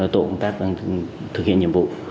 tổ công tác đang thực hiện nhiệm vụ